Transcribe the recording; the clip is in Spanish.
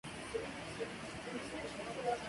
Hoy día son unidades muy buscadas por los coleccionistas.